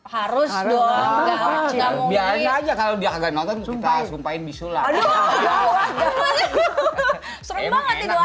harus dong biar aja kalau dia agak nonton kita sumpahin di sulap